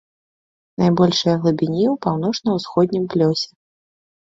Найбольшыя глыбіні ў паўночна-ўсходнім плёсе.